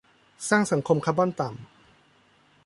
สร้างสังคมคาร์บอนต่ำ